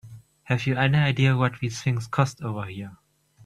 Have you any idea what these things cost over here?